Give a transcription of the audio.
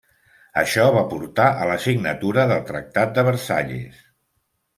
Això va portar a la signatura del Tractat de Versalles.